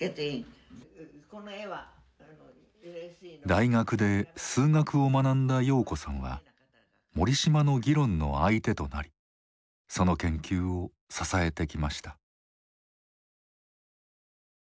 大学で数学を学んだ瑤子さんは森嶋の議論の相手となりその研究を支えてきました。